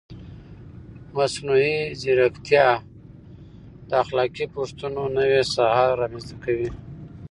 مصنوعي ځیرکتیا د اخلاقي پوښتنو نوې ساحه رامنځته کوي.